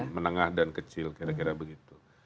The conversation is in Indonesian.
menengah dan kecil kira kira begitu